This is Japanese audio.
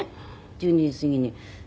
１２時過ぎに。